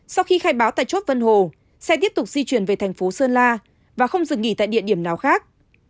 sau khi khai báo tại chốt vân hồ xe tiếp tục di chuyển về thành phố sơn la và không dừng nghỉ tại địa điểm nào khác